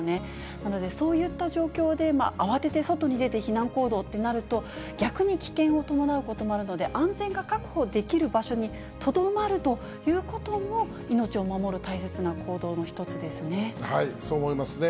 なので、そういった状況で慌てて外に出て避難行動ってなると、逆に危険を伴うこともあるので、安全が確保できる場所にとどまるということも、そう思いますね。